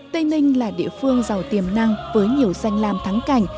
tây ninh là địa phương giàu tiềm năng với nhiều danh lam thắng cảnh